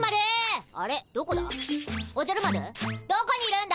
どこにいるんだ？